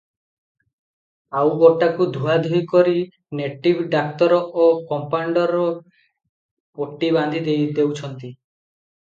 ଆଉ ଗୋଟାକୁ ଧୁଆଧୋଇ କରି ନେଟିଭ ଡାକ୍ତର ଓ କମ୍ପାଉଣ୍ତର ପଟି ବାନ୍ଧିଦେଉଛନ୍ତି ।